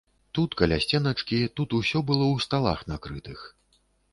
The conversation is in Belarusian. Тут каля сценачкі, тут усё было ў сталах накрытых.